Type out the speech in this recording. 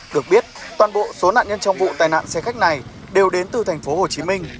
được biết toàn bộ số nạn nhân trong vụ tai nạn xe khách này đều đến từ thành phố hồ chí minh